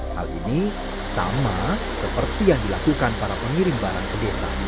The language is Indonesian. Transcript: hal ini sama seperti yang dilakukan para pengirim barang ke desa